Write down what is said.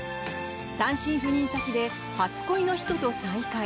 単身赴任先で初恋の人と再会。